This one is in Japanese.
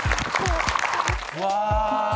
うわ！